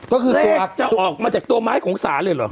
ก็คือเลขจะออกมาจากตัวไม้ของศาลเลยเหรอ